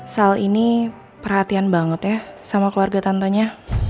sal ini perhatian banget ya sama keluarga tantenya